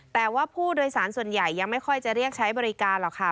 แต่ว่าผู้โดยสารส่วนใหญ่ยังไม่ค่อยจะเรียกใช้บริการหรอกค่ะ